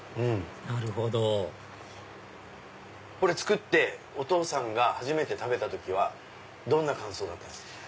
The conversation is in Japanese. なるほどこれ作ってお父さんが初めて食べた時はどんな感想だったんですか？